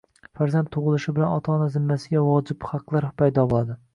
Farzand tug‘ilishi bilan ota-ona zimmasiga vojib haqlar paydo bo‘ladi